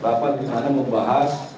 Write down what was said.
rapat di sana membahas